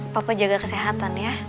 papa jaga kesehatan ya